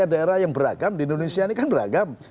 daerah yang beragam di indonesia ini kan beragam